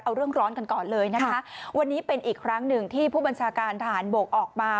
เอาเรื่องร้อนกันก่อนเลยนะคะวันนี้เป็นอีกครั้งหนึ่งที่ผู้บัญชาการทหารบกออกมา